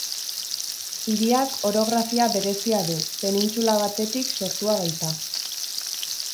Hiriak orografia berezia du, penintsula batetik sortua baita.